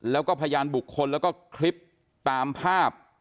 แล้วก็พยานบุคคลแล้วก็คลิปตามภาพ